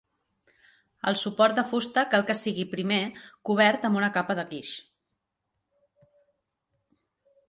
El suport de fusta cal que sigui primer cobert amb una capa de guix.